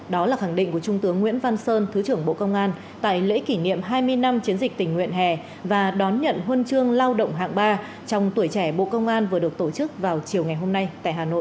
đó là khẳng định của trung tướng nguyễn văn sơn thứ trưởng bộ công an tại lễ kỷ niệm hai mươi năm chiến dịch tình nguyện hè và đón nhận huân chương lao động hạng ba trong tuổi trẻ bộ công an vừa được tổ chức vào chiều ngày hôm nay tại hà nội